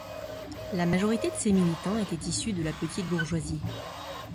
La majorité de ses militants était issue de la petite bourgeoisie.